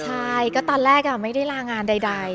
ใช่ก็ตอนแรกไม่ได้ลางานใด